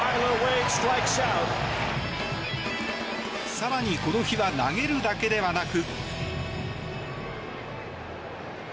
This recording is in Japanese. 更に、この日は投げるだけではなく。